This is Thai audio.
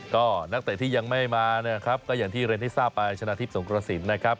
ก็นักเตะที่ยังไม่มาเนี่ยครับก็อย่างที่เรียนให้ทราบไปชนะทิพย์สงกระสินนะครับ